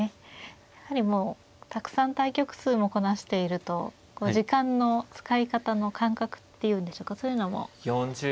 やはりもうたくさん対局数もこなしているとこう時間の使い方の感覚っていうんでしょうかそういうのも。